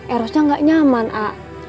erosnya gak nyaman a